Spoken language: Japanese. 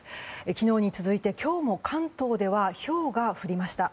昨日に続いて今日も関東ではひょうが降りました。